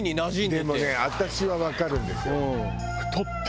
「でもね私はわかるんですよ」